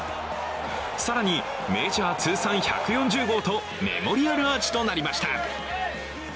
更にメジャー通算１４０号とメモリアルアーチとなりました。